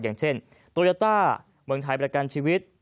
อย่างเช่นโตยาต้าเมืองไทยประกันชีวิต